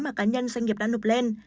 mà cá nhân doanh nghiệp đã nụp lên